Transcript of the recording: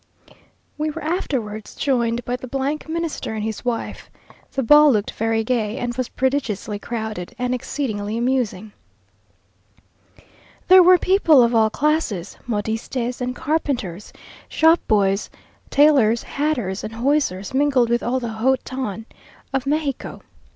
We were afterwards joined by the Minister and his wife. The ball looked very gay, and was prodigiously crowded, and exceedingly amusing. There were people of all classes; modistes and carpenters, shop boys, tailors, hatters, and hosiers, mingled with all the haut ton of Mexico.